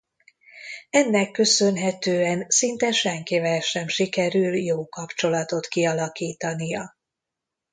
Ennek köszönhetően szinte senkivel sem sikerül jó kapcsolatot kialakítania.